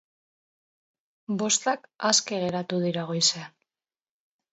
Bostak aske geratu dira goizean.